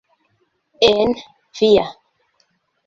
En via!